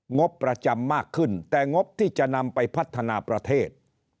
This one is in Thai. งบประจำมากขึ้นแต่งบที่จะนำไปพัฒนาประเทศ